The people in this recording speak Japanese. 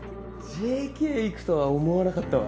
ＪＫ行くとは思わなかったわ。